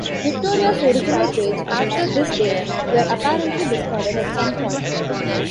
Victor's original pages after this date were apparently discarded at some point.